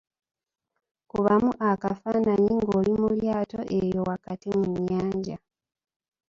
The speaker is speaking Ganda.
Kubamu akafaanayi ng’oli mu lyato eyo wakati mu nnyanja.